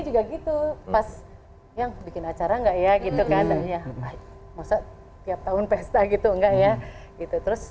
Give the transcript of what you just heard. juga gitu mas yang bikin acara nggak ya gitu kan mostapiap tahun pesta gitu nggak ya gitu terus